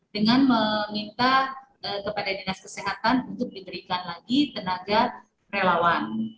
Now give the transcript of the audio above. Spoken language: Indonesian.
dengan meminta kepada dinas kesehatan untuk diberikan lagi tenaga relawan